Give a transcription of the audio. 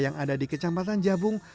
yang ada di kecamatan jabung